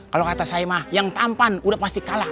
kalo kata saya mah yang tampan udah pasti kalah